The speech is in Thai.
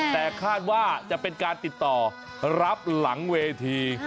แต่คาดว่าจะเป็นการติดต่อรับหลังเวที